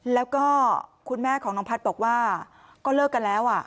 แล้วก็คุณแม่ของน้องพัฒน์บอกว่าก็เลิกกันแล้ว